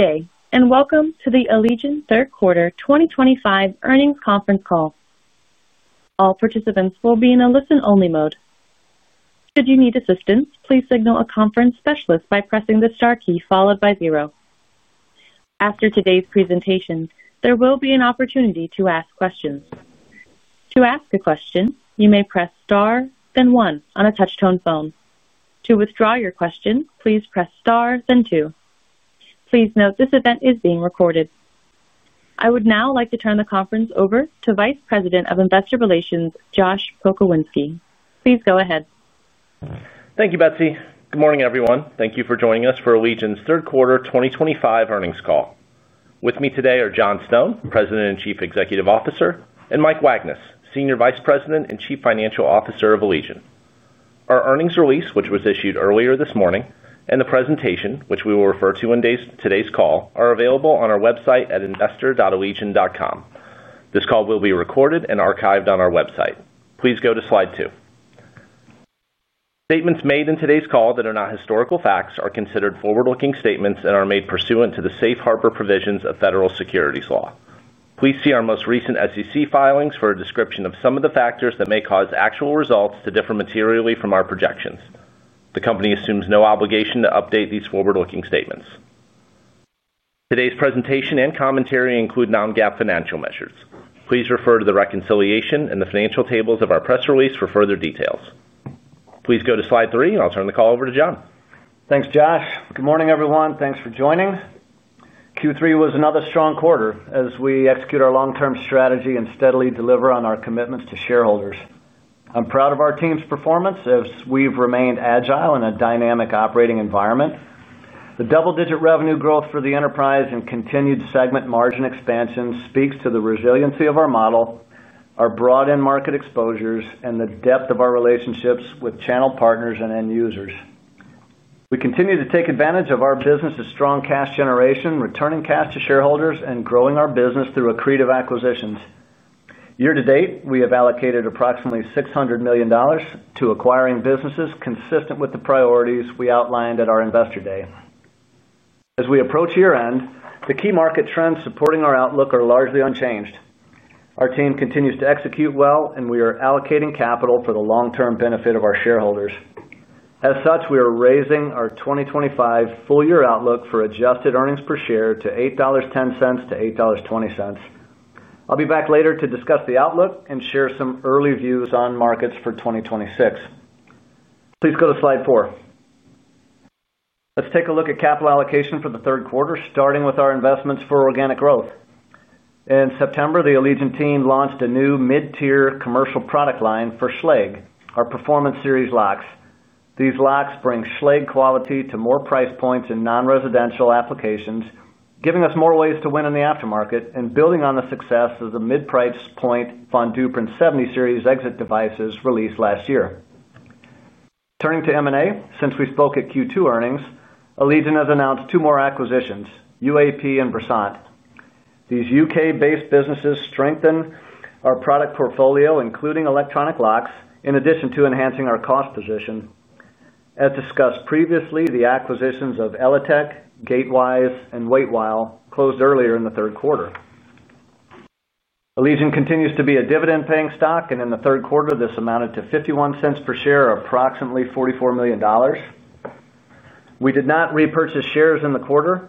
Okay, and welcome to the Allegion Third Quarter 2025 Earnings Conference Call. All participants will be in a listen-only mode. Should you need assistance, please signal a conference specialist by pressing the star key followed by zero. After today's presentation, there will be an opportunity to ask questions. To ask a question, you may press star, then one on a touch-tone phone. To withdraw your question, please press star, then two. Please note this event is being recorded. I would now like to turn the conference over to Vice President of Investor Relations, Josh Pokrzywinski. Please go ahead. Thank you, Betsy. Good morning, everyone. Thank you for joining us for Allegion's Third Quarter 2025 Earnings Call. With me today are John Stone, President and Chief Executive Officer, and Mike Wagnes, Senior Vice President and Chief Financial Officer of Allegion. Our earnings release, which was issued earlier this morning, and the presentation, which we will refer to in today's call, are available on our website at investor.allegion.com. This call will be recorded and archived on our website. Please go to slide two. Statements made in today's call that are not historical facts are considered forward-looking statements and are made pursuant to the Safe Harbor provisions of Federal Securities Law. Please see our most recent SEC filings for a description of some of the factors that may cause actual results to differ materially from our projections. The company assumes no obligation to update these forward-looking statements. Today's presentation and commentary include non-GAAP financial measures. Please refer to the reconciliation and the financial tables of our press release for further details. Please go to slide three, and I'll turn the call over to John. Thanks, Josh. Good morning, everyone. Thanks for joining. Q3 was another strong quarter as we execute our long-term strategy and steadily deliver on our commitments to shareholders. I'm proud of our team's performance as we've remained agile in a dynamic operating environment. The double-digit revenue growth for the enterprise and continued segment margin expansion speak to the resiliency of our model, our broad end-market exposures, and the depth of our relationships with channel partners and end users. We continue to take advantage of our business's strong cash generation, returning cash to shareholders, and growing our business through accretive acquisitions. Year-to-date, we have allocated approximately $600 million to acquiring businesses, consistent with the priorities we outlined at our Investor Day. As we approach year-end, the key market trends supporting our outlook are largely unchanged. Our team continues to execute well, and we are allocating capital for the long-term benefit of our shareholders. As such, we are raising our 2025 full-year outlook for adjusted EPS to $8.10-$8.20. I'll be back later to discuss the outlook and share some early views on markets for 2026. Please go to slide four. Let's take a look at capital allocation for the third quarter, starting with our investments for organic growth. In September, the Allegion team launched a new mid-tier commercial product line for Schlage: our Performance Series locks. These locks bring Schlage quality to more price points in non-residential applications, giving us more ways to win in the aftermarket and building on the success of the mid-price point Von Duprin 70 Series exit devices released last year. Turning to M&A, since we spoke at Q2 earnings, Allegion has announced two more acquisitions: UAP and Bressant. These U.K.-based businesses strengthen our product portfolio, including electronic locks, in addition to enhancing our cost position. As discussed previously, the acquisitions of ELATEC, Gatewise, and Waitwhile closed earlier in the third quarter. Allegion continues to be a dividend-paying stock, and in the third quarter, this amounted to $0.51 per share, approximately $44 million. We did not repurchase shares in the quarter,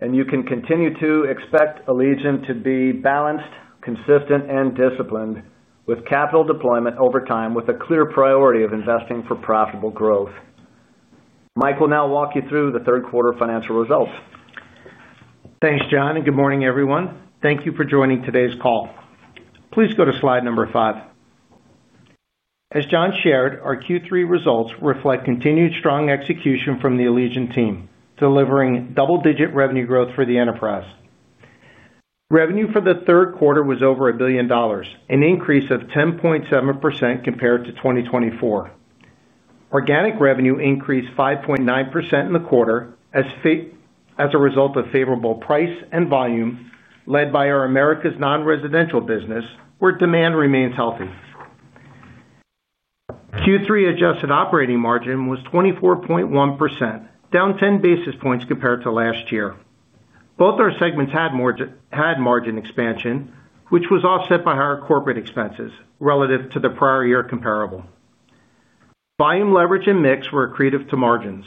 and you can continue to expect Allegion to be balanced, consistent, and disciplined with capital deployment over time, with a clear priority of investing for profitable growth. Mike will now walk you through the third quarter financial results. Thanks, John, and good morning, everyone. Thank you for joining today's call. Please go to slide number five. As John shared, our Q3 results reflect continued strong execution from the Allegion team, delivering double-digit revenue growth for the enterprise. Revenue for the third quarter was over $1 billion, an increase of 10.7% compared to 2024. Organic revenue increased 5.9% in the quarter as a result of favorable price and volume, led by our Americas non-residential business, where demand remains healthy. Q3 adjusted operating margin was 24.1%, down 10 basis points compared to last year. Both our segments had margin expansion, which was offset by higher corporate expenses relative to the prior year comparable. Volume leverage and mix were accretive to margins.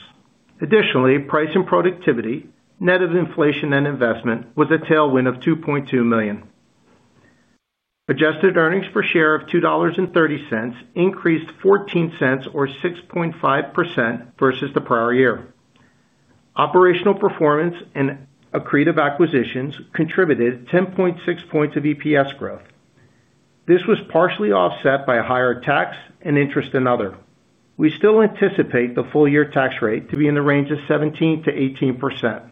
Additionally, price and productivity, net of inflation and investment, was a tailwind of $2.2 million. Adjusted EPS of $2.30 increased $0.14, or 6.5% versus the prior year. Operational performance and accretive acquisitions contributed 10.6 points of EPS growth. This was partially offset by a higher tax and interest in other. We still anticipate the full-year tax rate to be in the range of 17%-18%.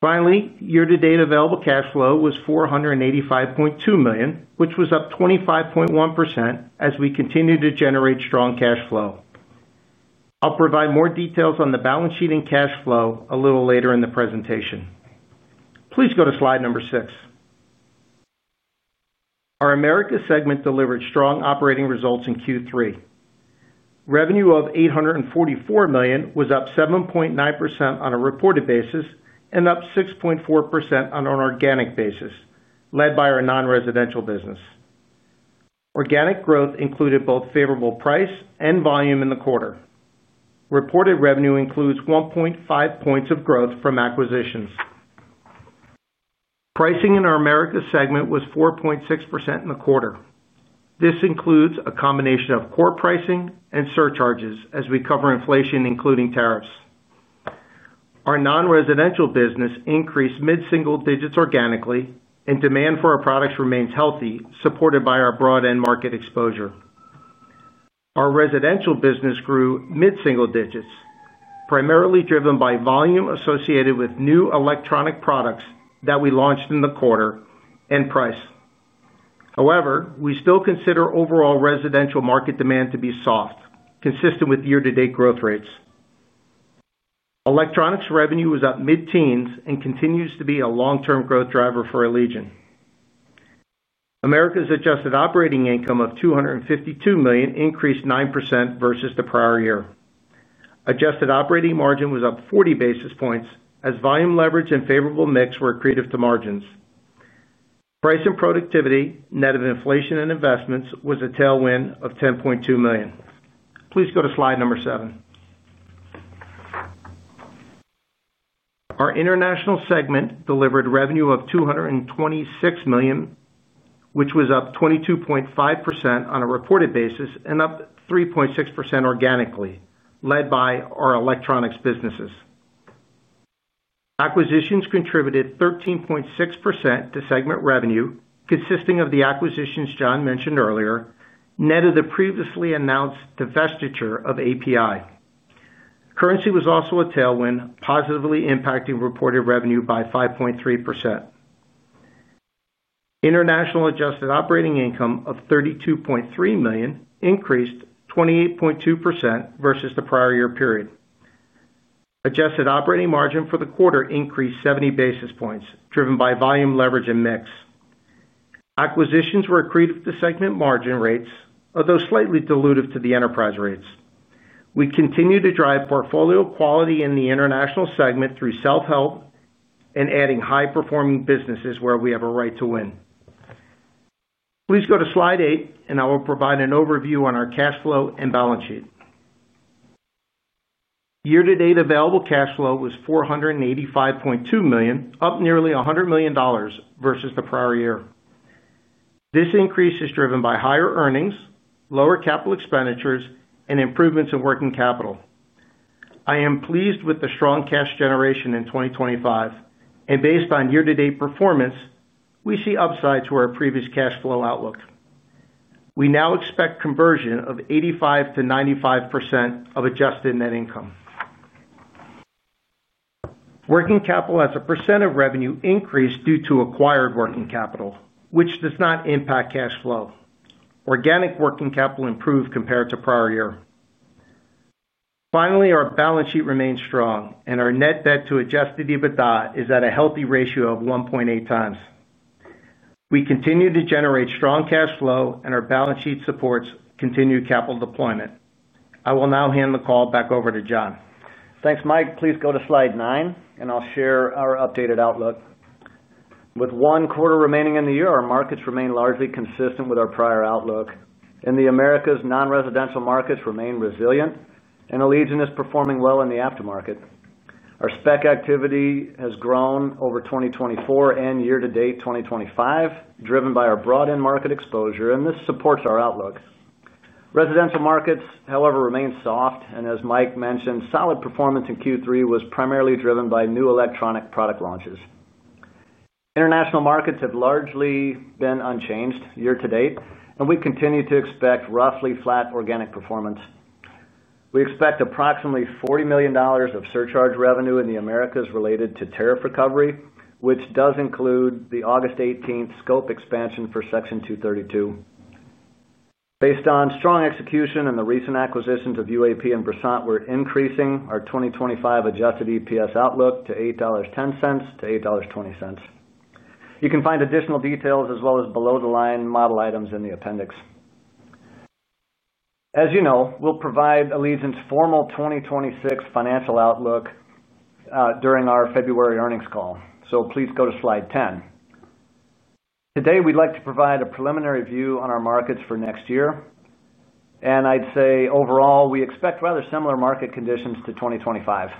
Finally, year-to-date available cash flow was $485.2 million, which was up 25.1% as we continue to generate strong cash flow. I'll provide more details on the balance sheet and cash flow a little later in the presentation. Please go to slide number six. Our Americas segment delivered strong operating results in Q3. Revenue of $844 million was up 7.9% on a reported basis and up 6.4% on an organic basis, led by our non-residential business. Organic growth included both favorable price and volume in the quarter. Reported revenue includes 1.5 points of growth from acquisitions. Pricing in our Americas segment was 4.6% in the quarter. This includes a combination of core pricing and surcharges as we cover inflation, including tariffs. Our non-residential business increased mid-single digits organically, and demand for our products remains healthy, supported by our broad end-market exposure. Our residential business grew mid-single digits, primarily driven by volume associated with new electronic products that we launched in the quarter and price. However, we still consider overall residential market demand to be soft, consistent with year-to-date growth rates. Electronics revenue was up mid-teens and continues to be a long-term growth driver for Allegion. Americas adjusted operating income of $252 million increased 9% versus the prior year. Adjusted operating margin was up 40 basis points as volume leverage and favorable mix were accretive to margins. Price and productivity, net of inflation and investments, was a tailwind of $10.2 million. Please go to slide number seven. Our International segment delivered revenue of $226 million, which was up 22.5% on a reported basis and up 3.6% organically, led by our electronics businesses. Acquisitions contributed 13.6% to segment revenue, consisting of the acquisitions John mentioned earlier, net of the previously announced divestiture of API. Currency was also a tailwind, positively impacting reported revenue by 5.3%. International adjusted operating income of $32.3 million increased 28.2% versus the prior year period. Adjusted operating margin for the quarter increased 70 basis points, driven by volume leverage and mix. Acquisitions were accretive to segment margin rates, although slightly diluted to the enterprise rates. We continue to drive portfolio quality in the International segment through self-help and adding high-performing businesses where we have a right to win. Please go to slide eight, and I will provide an overview on our cash flow and balance sheet. Year-to-date available cash flow was $485.2 million, up nearly $100 million versus the prior year. This increase is driven by higher earnings, lower capital expenditures, and improvements in working capital. I am pleased with the strong cash generation in 2025, and based on year-to-date performance, we see upside to our previous cash flow outlook. We now expect conversion of 85%-95% of adjusted net income. Working capital as a percent of revenue increased due to acquired working capital, which does not impact cash flow. Organic working capital improved compared to prior year. Finally, our balance sheet remains strong, and our net debt to adjusted EBITDA is at a healthy ratio of 1.8x. We continue to generate strong cash flow, and our balance sheet supports continued capital deployment. I will now hand the call back over to John. Thanks, Mike. Please go to slide nine, and I'll share our updated outlook. With one quarter remaining in the year, our markets remain largely consistent with our prior outlook, and the Americas non-residential markets remain resilient, and Allegion is performing well in the aftermarket. Our spec activity has grown over 2024 and year-to-date 2025, driven by our broad end-market exposure, and this supports our outlook. Residential markets, however, remain soft, and as Mike mentioned, solid performance in Q3 was primarily driven by new electronic product launches. International markets have largely been unchanged year-to-date, and we continue to expect roughly flat organic performance. We expect approximately $40 million of surcharge revenue in the Americas related to tariff recovery, which does include the August 18th scope expansion for Section 232. Based on strong execution and the recent acquisitions of UAP and Bressant, we're increasing our 2025 adjusted EPS outlook to $8.10-$8.20. You can find additional details as well as below-the-line model items in the appendix. As you know, we'll provide Allegion's formal 2026 financial outlook during our February earnings call, so please go to slide 10. Today, we'd like to provide a preliminary view on our markets for next year, and I'd say overall we expect rather similar market conditions to 2025.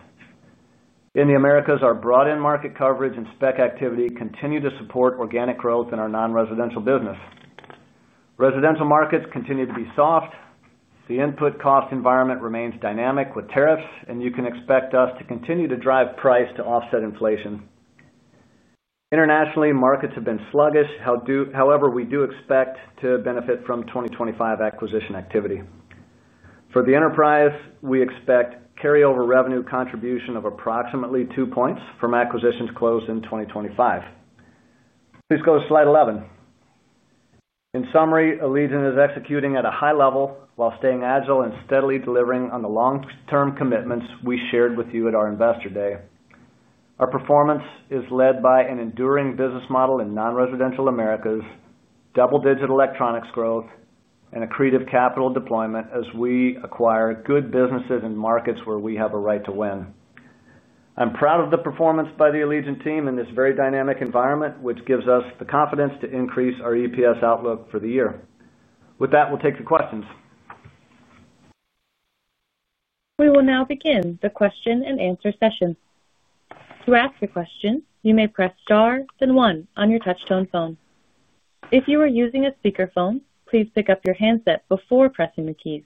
In the Americas, our broad end-market coverage and spec activity continue to support organic growth in our non-residential business. Residential markets continue to be soft. The input cost environment remains dynamic with tariffs, and you can expect us to continue to drive price to offset inflation. Internationally, markets have been sluggish; however, we do expect to benefit from 2025 acquisition activity. For the enterprise, we expect carryover revenue contribution of approximately two points from acquisitions closed in 2025. Please go to slide 11. In summary, Allegion is executing at a high level while staying agile and steadily delivering on the long-term commitments we shared with you at our Investor Day. Our performance is led by an enduring business model in non-residential Americas, double-digit electronics growth, and accretive capital deployment as we acquire good businesses in markets where we have a right to win. I'm proud of the performance by the Allegion team in this very dynamic environment, which gives us the confidence to increase our EPS outlook for the year. With that, we'll take your questions. We will now begin the question-and-answer session. To ask a question, you may press star, then one on your touch-tone phone. If you are using a speakerphone, please pick up your handset before pressing the keys.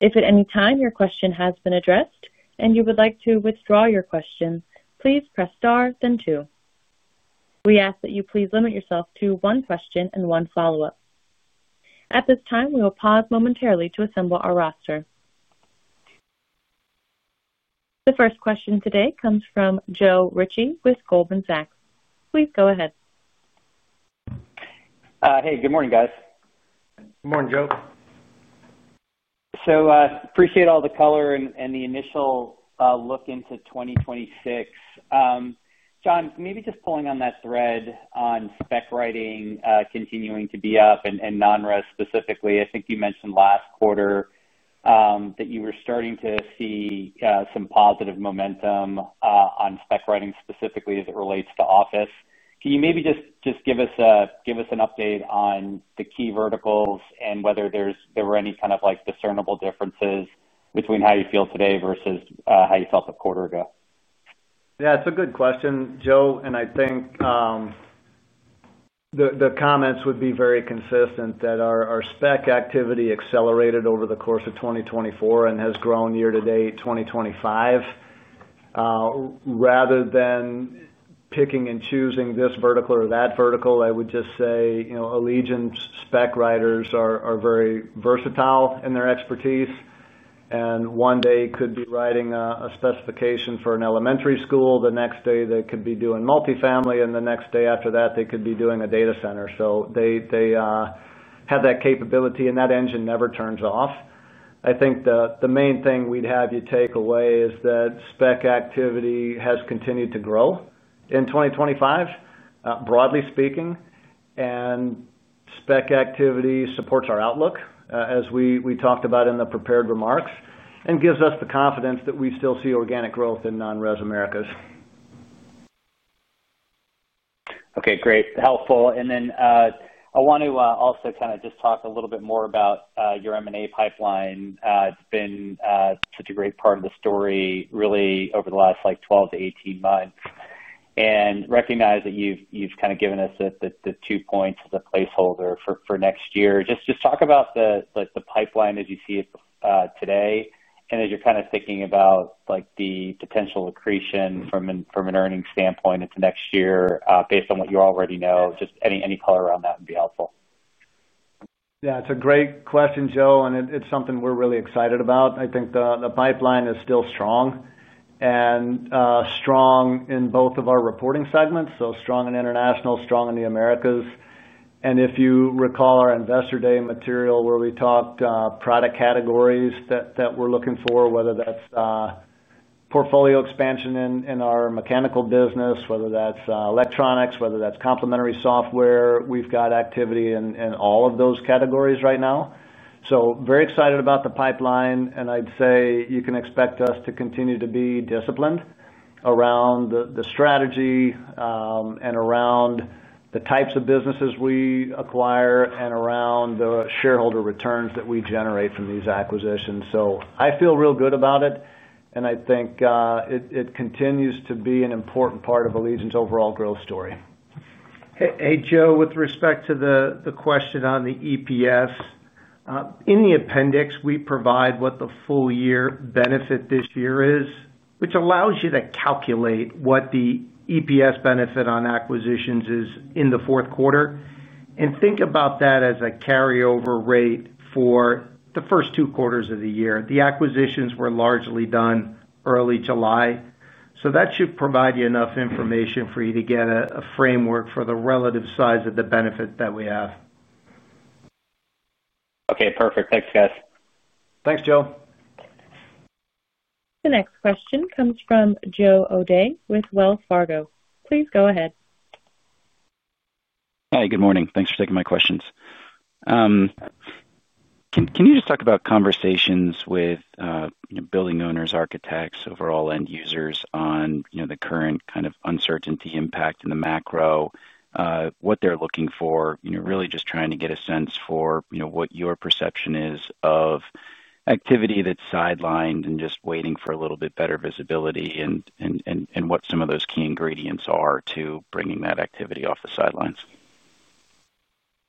If at any time your question has been addressed and you would like to withdraw your question, please press star, then two. We ask that you please limit yourself to one question and one follow-up. At this time, we will pause momentarily to assemble our roster. The first question today comes from Joe Ritchie with Goldman Sachs. Please go ahead. Hey, good morning, guys. Good morning, Joe. I appreciate all the color and the initial look into 2026. John, maybe just pulling on that thread on spec writing, continuing to be up and non-res specifically. I think you mentioned last quarter that you were starting to see some positive momentum on spec writing specifically as it relates to office. Can you maybe just give us an update on the key verticals and whether there were any kind of discernible differences between how you feel today versus how you felt a quarter ago? Yeah, it's a good question, Joe, and I think the comments would be very consistent that our spec activity accelerated over the course of 2024 and has grown year-to-date 2025. Rather than picking and choosing this vertical or that vertical, I would just say, you know, Allegion's spec writers are very versatile in their expertise, and one day could be writing a specification for an elementary school, the next day they could be doing multifamily, and the next day after that they could be doing a data center. They have that capability, and that engine never turns off. I think the main thing we'd have you take away is that spec activity has continued to grow in 2025, broadly speaking, and spec activity supports our outlook, as we talked about in the prepared remarks, and gives us the confidence that we still see organic growth in non-res Americas. Okay, great. Helpful. I want to also kind of just talk a little bit more about your M&A pipeline. It's been such a great part of the story, really, over the last 12-18 months. I recognize that you've kind of given us the two points as a placeholder for next year. Just talk about the pipeline as you see it today, and as you're kind of thinking about the potential accretion from an earnings standpoint into next year, based on what you already know. Just any color around that would be helpful. Yeah, it's a great question, Joe, and it's something we're really excited about. I think the pipeline is still strong, strong in both of our reporting segments, strong in International, strong in the Americas. If you recall our Investor Day material where we talked, product categories that we're looking for, whether that's portfolio expansion in our mechanical business, whether that's electronics, whether that's complementary software, we've got activity in all of those categories right now. Very excited about the pipeline, and I'd say you can expect us to continue to be disciplined around the strategy, and around the types of businesses we acquire and around the shareholder returns that we generate from these acquisitions. I feel real good about it, and I think it continues to be an important part of Allegion's overall growth story. Hey Joe, with respect to the question on the adjusted EPS, in the appendix, we provide what the full-year benefit this year is, which allows you to calculate what the EPS benefit on acquisitions is in the fourth quarter. Think about that as a carryover rate for the first two quarters of the year. The acquisitions were largely done early July, so that should provide you enough information for you to get a framework for the relative size of the benefit that we have. Okay, perfect. Thanks, guys. Thanks, Joe. The next question comes from Joe O'Dea with Wells Fargo. Please go ahead. Hey, good morning. Thanks for taking my questions. Can you just talk about conversations with building owners, architects, overall end users on the current kind of uncertainty impact in the macro, what they're looking for? I'm really just trying to get a sense for what your perception is of activity that's sidelined and just waiting for a little bit better visibility, and what some of those key ingredients are to bringing that activity off the sidelines.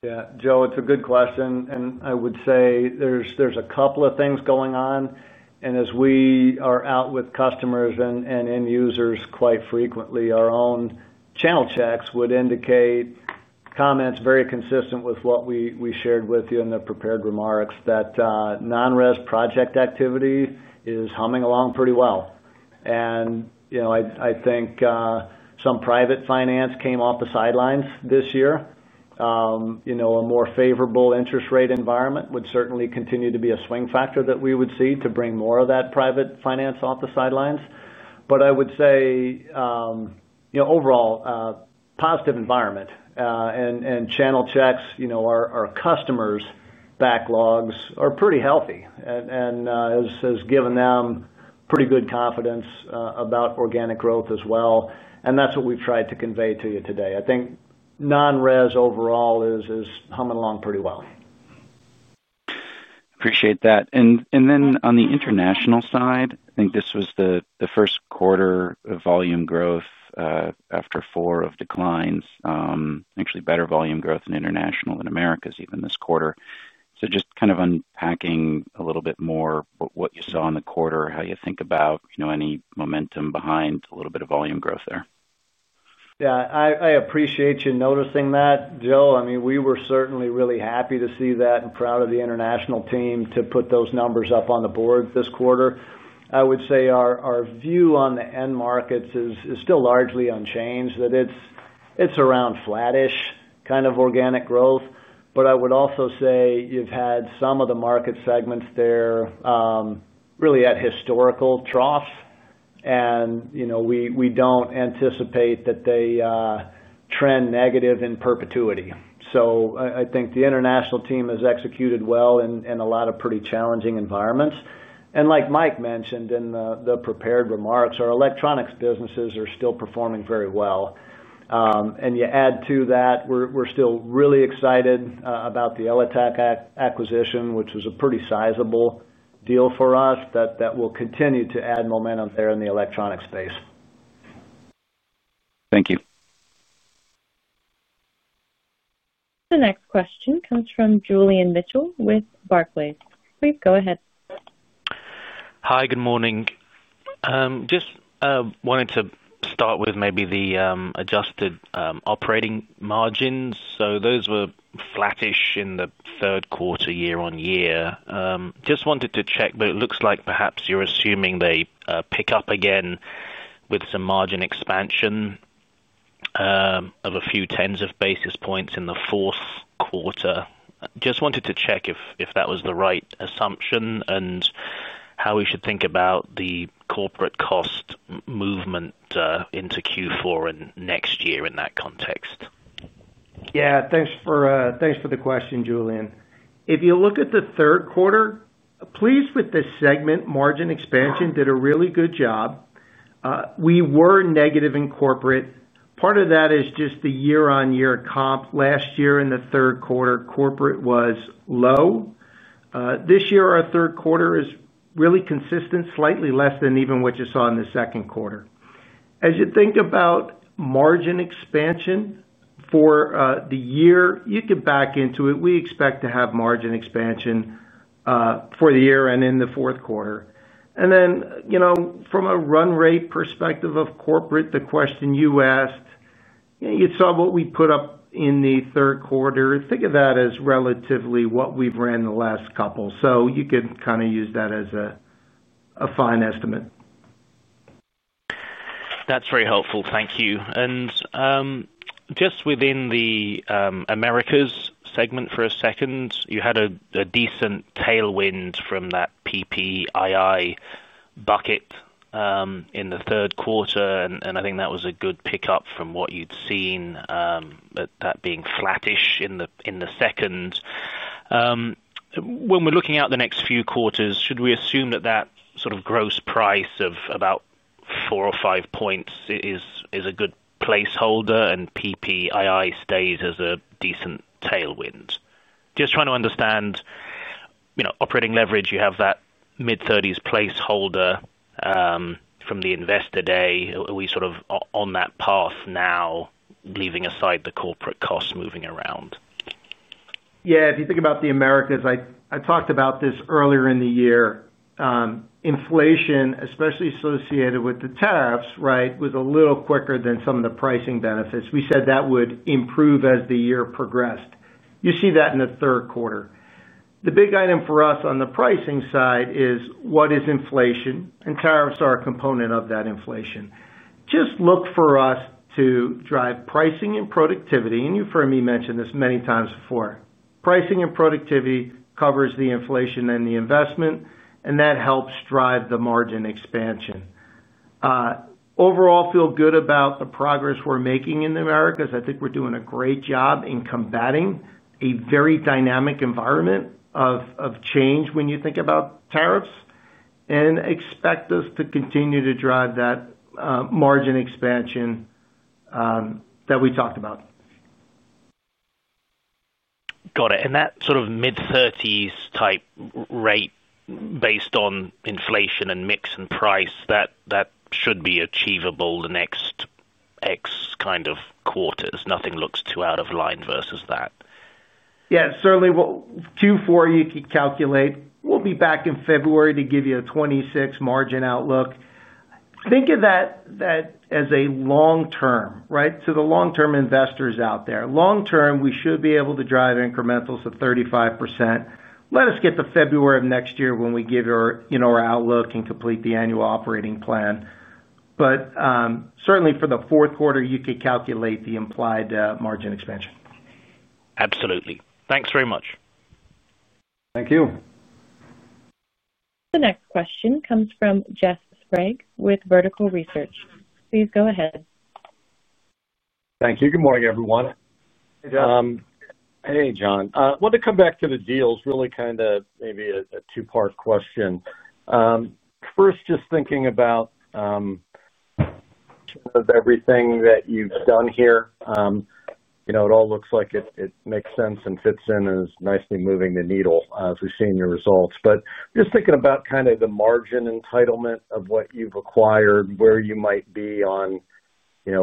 Yeah, Joe, it's a good question. I would say there's a couple of things going on. As we are out with customers and end users quite frequently, our own channel checks would indicate comments very consistent with what we shared with you in the prepared remarks, that non-res project activity is humming along pretty well. I think some private finance came off the sidelines this year. A more favorable interest rate environment would certainly continue to be a swing factor that we would see to bring more of that private finance off the sidelines. I would say, overall, positive environment, and channel checks, our customers' backlogs are pretty healthy, which has given them pretty good confidence about organic growth as well. That's what we've tried to convey to you today. I think non-res overall is humming along pretty well. Appreciate that. On the international side, I think this was the first quarter of volume growth after four of declines. Actually better volume growth in International than Americas even this quarter. Just kind of unpacking a little bit more what you saw in the quarter, how you think about, you know, any momentum behind a little bit of volume growth there. Yeah, I appreciate you noticing that, Joe. I mean, we were certainly really happy to see that and proud of the international team to put those numbers up on the boards this quarter. I would say our view on the end markets is still largely unchanged, that it's around flattish kind of organic growth. I would also say you've had some of the market segments there really at historical troughs. You know, we don't anticipate that they trend negative in perpetuity. I think the international team has executed well in a lot of pretty challenging environments. Like Mike mentioned in the prepared remarks, our electronics businesses are still performing very well, and you add to that, we're still really excited about the ELATEC acquisition, which was a pretty sizable deal for us that will continue to add momentum there in the electronics space. Thank you. The next question comes from Julian Mitchell with Barclays. Please go ahead. Hi, good morning. I wanted to start with maybe the adjusted operating margins. Those were flattish in the third quarter year-over-year. I just wanted to check, but it looks like perhaps you're assuming they pick up again with some margin expansion of a few tens of basis points in the fourth quarter. I just wanted to check if that was the right assumption and how we should think about the corporate cost movement into Q4 and next year in that context. Yeah, thanks for the question, Julian. If you look at the third quarter with this segment, margin expansion did a really good job. We were negative in corporate. Part of that is just the year-over-year comps. Last year in the third quarter, corporate was low. This year, our third quarter is really consistent, slightly less than even what you saw in the second quarter. As you think about margin expansion for the year, you could back into it. We expect to have margin expansion for the year and in the fourth quarter. From a run rate perspective of corporate, the question you asked, you saw what we put up in the third quarter. Think of that as relatively what we've ran the last couple. You could kind of use that as a fine estimate. That's very helpful. Thank you. Just within the Americas segment for a second, you had a decent tailwind from that PPII bucket in the third quarter. I think that was a good pickup from what you'd seen, at that being flattish in the second. When we're looking out the next few quarters, should we assume that sort of gross price of about 4% or 5% is a good placeholder and PPII stays as a decent tailwind? Just trying to understand, you know, operating leverage. You have that mid-30s placeholder from the Investor Day. Are we sort of on that path now, leaving aside the corporate costs moving around? Yeah, if you think about the Americas, I talked about this earlier in the year. Inflation, especially associated with the tariffs, was a little quicker than some of the pricing benefits. We said that would improve as the year progressed. You see that in the third quarter. The big item for us on the pricing side is what is inflation, and tariffs are a component of that inflation. Just look for us to drive pricing and productivity, and you've heard me mention this many times before. Pricing and productivity covers the inflation and the investment, and that helps drive the margin expansion. Overall, feel good about the progress we're making in the Americas. I think we're doing a great job in combating a very dynamic environment of change when you think about tariffs and expect us to continue to drive that margin expansion that we talked about. Got it. That sort of mid-30% type rate based on inflation and mix and price, that should be achievable the next X kind of quarters. Nothing looks too out of line versus that. Certainly. Q4, you could calculate. We'll be back in February to give you a 2026 margin outlook. Think of that as a long-term, right? To the long-term investors out there, long-term, we should be able to drive incrementals of 35%. Let us get to February of next year when we give you our outlook and complete the annual operating plan. Certainly for the fourth quarter, you could calculate the implied margin expansion. Absolutely. Thanks very much. Thank you. The next question comes from Jeff Sprague with Vertical Research. Please go ahead. Thank you. Good morning, everyone. Hey, Jess. Hey, John. I want to come back to the deals, really kind of maybe a two-part question. First, just thinking about everything that you've done here. You know, it all looks like it makes sense and fits in and is nicely moving the needle, as we've seen your results. Just thinking about the margin entitlement of what you've acquired, where you might be on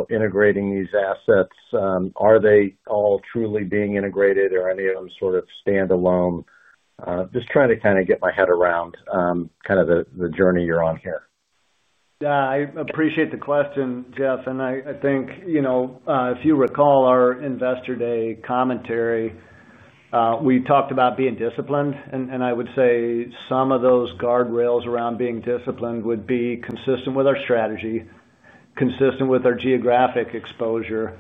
integrating these assets. Are they all truly being integrated or are any of them sort of standalone? Just trying to get my head around the journey you're on here. Yeah, I appreciate the question, Jess. I think, you know, if you recall our Investor Day commentary, we talked about being disciplined. I would say some of those guardrails around being disciplined would be consistent with our strategy, consistent with our geographic exposure,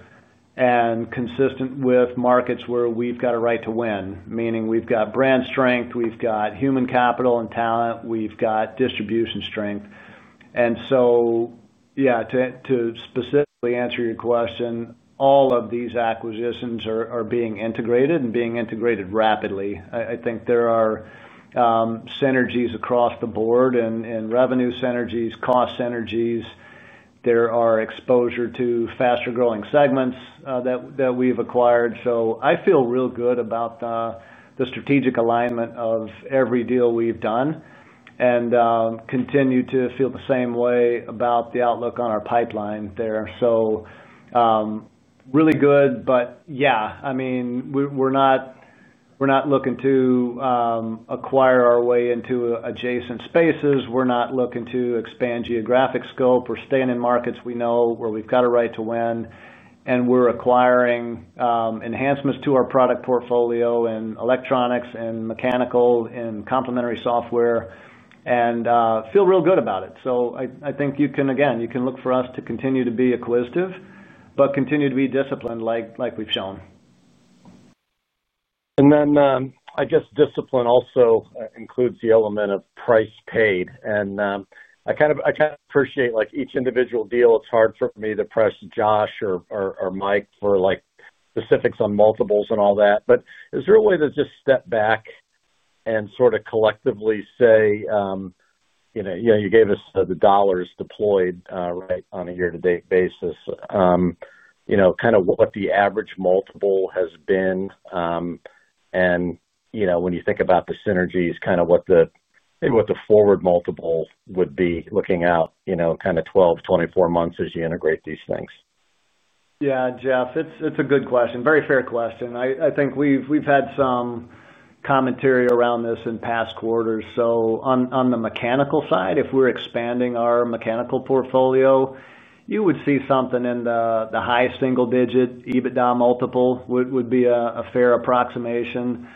and consistent with markets where we've got a right to win, meaning we've got brand strength, we've got human capital and talent, we've got distribution strength. To specifically answer your question, all of these acquisitions are being integrated and being integrated rapidly. I think there are synergies across the board and revenue synergies, cost synergies. There are exposure to faster growing segments that we've acquired. I feel real good about the strategic alignment of every deal we've done and continue to feel the same way about the outlook on our pipeline there. Really good. We're not looking to acquire our way into adjacent spaces. We're not looking to expand geographic scope. We're staying in markets we know where we've got a right to win. We're acquiring enhancements to our product portfolio in electronics and mechanical and complementary software and feel real good about it. I think you can, again, you can look for us to continue to be acquisitive, but continue to be disciplined like we've shown. I guess discipline also includes the element of price paid. I appreciate like each individual deal. It's hard for me to press Josh or Mike for specifics on multiples and all that. Is there a way to just step back and sort of collectively say, you gave us the dollars deployed, right, on a year-to-date basis, kind of what the average multiple has been, and when you think about the synergies, kind of what the maybe what the forward multiple would be looking out, kind of 12, 24 months as you integrate these things. Yeah, Jeff, it's a good question. Very fair question. I think we've had some commentary around this in past quarters. On the mechanical side, if we're expanding our mechanical portfolio, you would see something in the high single-digit EBITDA multiple would be a fair approximation.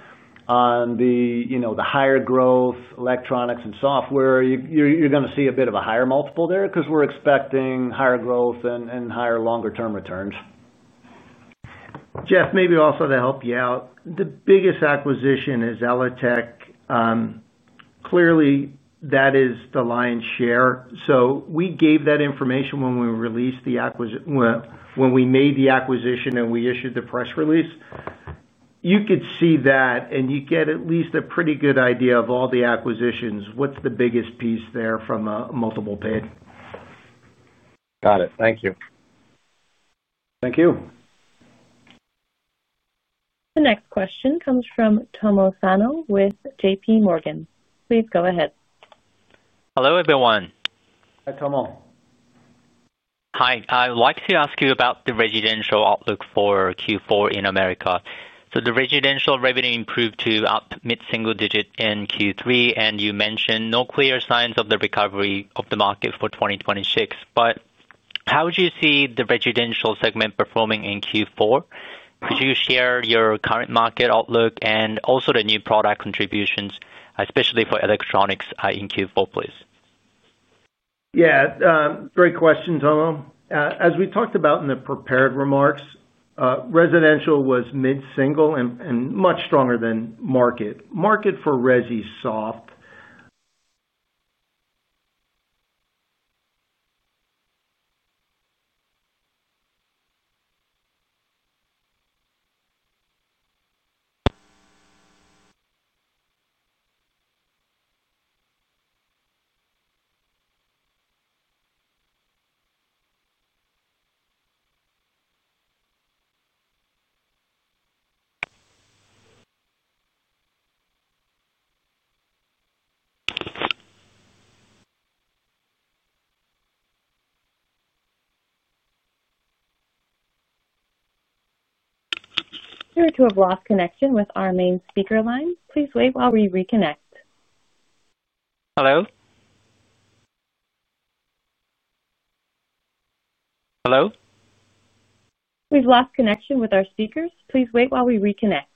On the higher growth, electronics and software, you're going to see a bit of a higher multiple there because we're expecting higher growth and higher longer-term returns. Jeff, maybe also to help you out, the biggest acquisition is ELATEC. Clearly, that is the lion's share. We gave that information when we released the acquisition, when we made the acquisition and we issued the press release. You could see that and you get at least a pretty good idea of all the acquisitions, what's the biggest piece there from a multiple paid. Got it. Thank you. Thank you. The next question comes from Tomo Sano with JPMorgan. Please go ahead. Hello, everyone. Hi, Tomo. Hi. I'd like to ask you about the residential outlook for Q4 in the Americas. The residential revenue improved to up mid-single digit in Q3, and you mentioned no clear signs of the recovery of the market for 2026. How would you see the residential segment performing in Q4? Could you share your current market outlook and also the new product contributions, especially for electronics in Q4, please? Yeah, great question, Tomo. As we talked about in the prepared remarks, residential was mid-single and much stronger than market. Market for residential soft. You have lost connection with our main speaker line. Please wait while we reconnect. Hello? Hello? We've lost connection with our speakers. Please wait while we reconnect.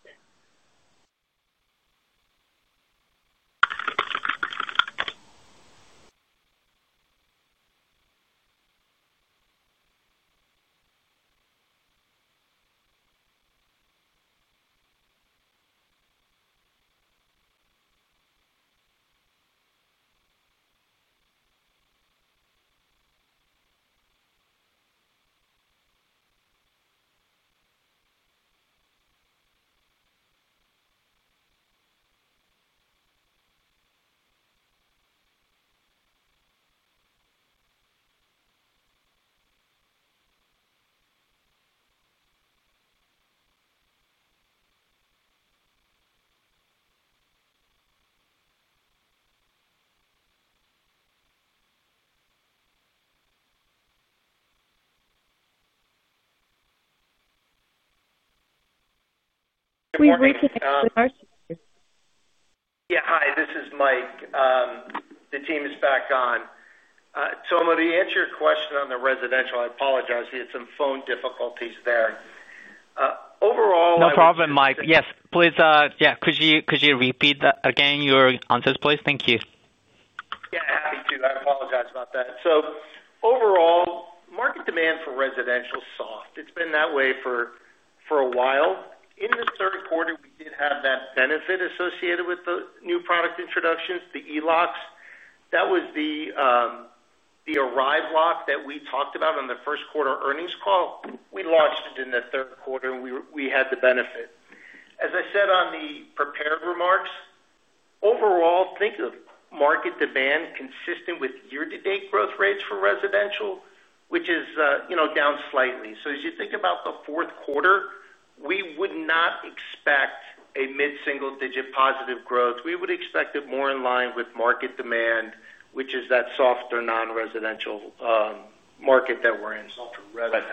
We've reconnected with our speakers. Yeah, hi, this is Mike. The team is back on. Tomo, to answer your question on the residential, I apologize. We had some phone difficulties there. Overall. No problem, Mike. Yes, please. Could you repeat that again, your answers, please? Thank you. Yeah, happy to. I apologize about that. Overall, market demand for residential is soft. It's been that way for a while. In the third quarter, we did have that benefit associated with the new product introductions, the e-locks. That was the Arrive lock that we talked about on the first quarter earnings call. We launched it in the third quarter, and we had the benefit. As I said on the prepared remarks, overall, think of market demand consistent with year-to-date growth rates for residential, which is, you know, down slightly. As you think about the fourth quarter, we would not expect a mid-single-digit positive growth. We would expect it more in line with market demand, which is that softer non-residential market that we're in. Softer residential.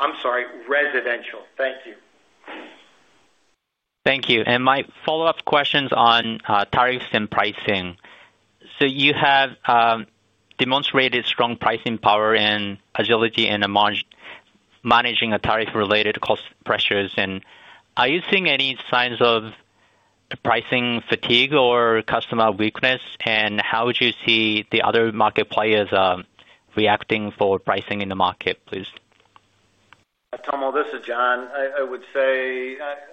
I'm sorry, residential. Thank you. Thank you. My follow-up question is on tariffs and pricing. You have demonstrated strong pricing power and agility in managing tariff-related cost pressures. Are you seeing any signs of pricing fatigue or customer weakness? How would you see the other market players reacting for pricing in the market, please? Tomo, this is John. I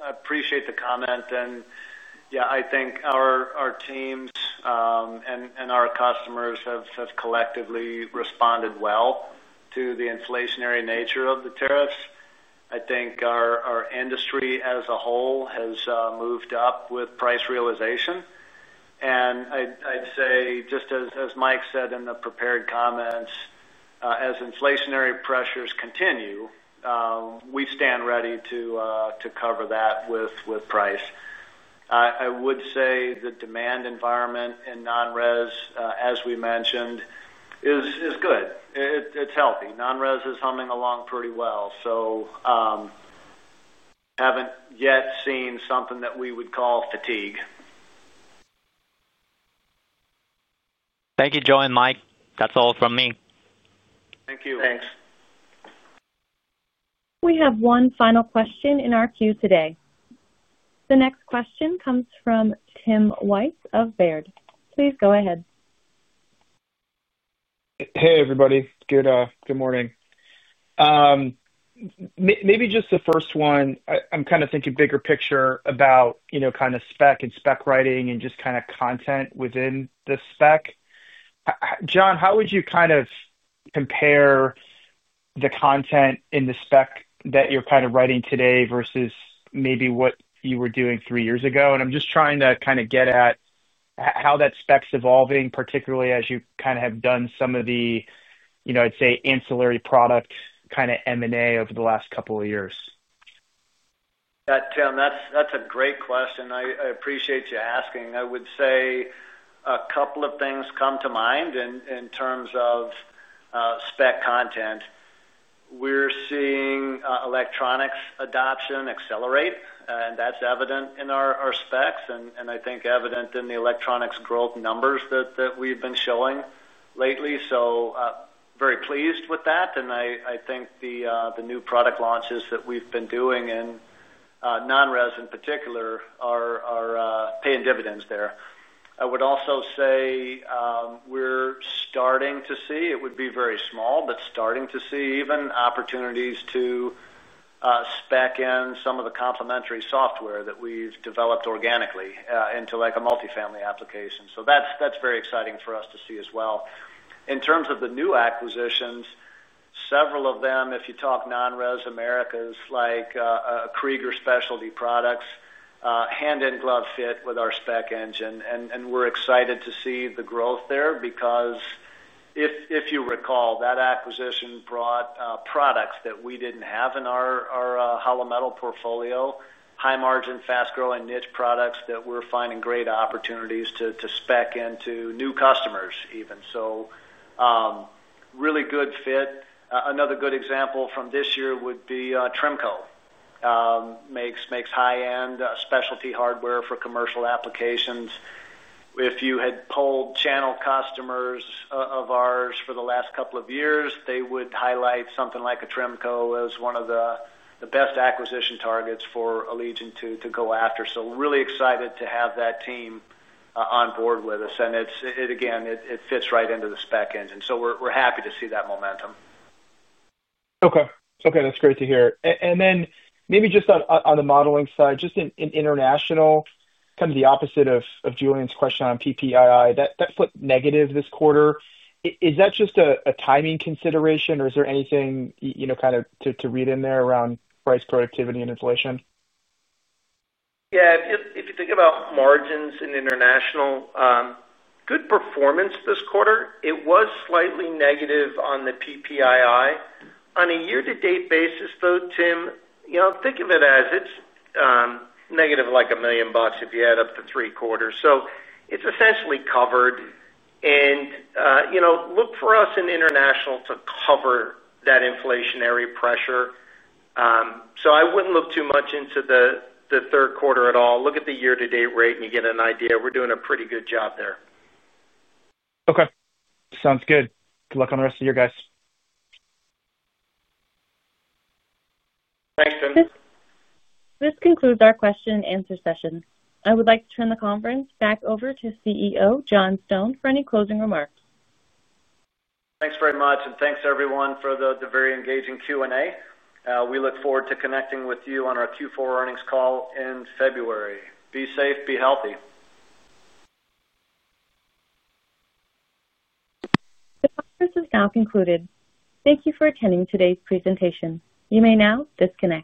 appreciate the comment. I think our teams and our customers have collectively responded well to the inflationary nature of the tariffs. I think our industry as a whole has moved up with price realization. I'd say, just as Mike said in the prepared comments, as inflationary pressures continue, we stand ready to cover that with price. I would say the demand environment in non-res, as we mentioned, is good. It's healthy. Non-res is humming along pretty well. Haven't yet seen something that we would call fatigue. Thank you, Josh and Mike. That's all from me. Thank you. Thanks. We have one final question in our queue today. The next question comes from Tim Wojs of Baird. Please go ahead. Hey, everybody. Good morning. Maybe just the first one, I'm kind of thinking bigger picture about, you know, kind of spec and spec writing and just kind of content within the spec. John, how would you kind of compare the content in the spec that you're kind of writing today versus maybe what you were doing three years ago? I'm just trying to kind of get at how that spec's evolving, particularly as you kind of have done some of the, I'd say, ancillary product kind of M&A over the last couple of years. Yeah, Tim, that's a great question. I appreciate you asking. I would say a couple of things come to mind in terms of spec content. We're seeing electronics adoption accelerate, and that's evident in our specs, and I think evident in the electronics growth numbers that we've been showing lately. Very pleased with that. I think the new product launches that we've been doing in non-res in particular are paying dividends there. I would also say we're starting to see, it would be very small, but starting to see even opportunities to spec in some of the complementary software that we've developed organically into like a multifamily application. That's very exciting for us to see as well. In terms of the new acquisitions, several of them, if you talk non-res Americas, like a Krieger Specialty Products, hand-in-glove fit with our spec engine. We're excited to see the growth there because if you recall, that acquisition brought products that we didn't have in our Hollow Metal portfolio, high margin, fast-growing niche products that we're finding great opportunities to spec into new customers even. Really good fit. Another good example from this year would be Trimco. Makes high-end specialty hardware for commercial applications. If you had polled channel customers of ours for the last couple of years, they would highlight something like a Trimco as one of the best acquisition targets for Allegion to go after. Really excited to have that team on board with us. It fits right into the spec engine. We're happy to see that momentum. Okay, that's great to hear. Maybe just on the modeling side, just in International, kind of the opposite of Julian's question on PPII, that flipped negative this quarter. Is that just a timing consideration, or is there anything to read in there around price productivity and inflation? Yeah, if you think about margins in International, good performance this quarter. It was slightly negative on the PPII. On a year-to-date basis, though, Tim, you know, think of it as it's negative like $1 million if you add up the three quarters. It's essentially covered. For us in International to cover that inflationary pressure, I wouldn't look too much into the third quarter at all. Look at the year-to-date rate and you get an idea. We're doing a pretty good job there. Okay. Sounds good. Good luck on the rest of your guys. Thanks, Tim. This concludes our question-and-answer session. I would like to turn the conference back over to CEO John Stone for any closing remarks. Thanks very much, and thanks everyone for the very engaging Q&A. We look forward to connecting with you on our Q4 earnings call in February. Be safe, be healthy. The conference is now concluded. Thank you for attending today's presentation. You may now disconnect.